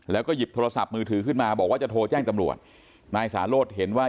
แล้วก็หยิบโทรศัพท์มือถือขึ้นมาบอกว่าจะโทรแจ้งตำรวจนายสาโรธเห็นว่า